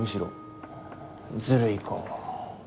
ずるいか。